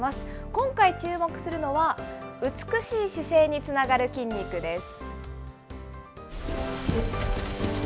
今回、注目するのは、美しい姿勢につながる筋肉です。